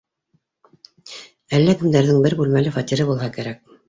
Әллә кемдәрҙең бер бүлмәле фатиры булһа кәрәк